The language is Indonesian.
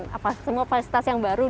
terkait dengan semua fasilitas yang baru